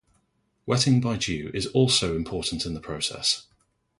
Wetting by dew is also important in the process.